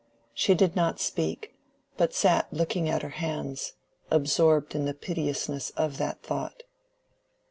She did not even speak, but sat looking at her hands, absorbed in the piteousness of that thought.